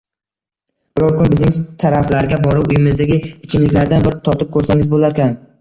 Biror kun bizning taraflarga borib, uyimizdagi ichimliklardan bir totib ko`rsangiz bo`larkan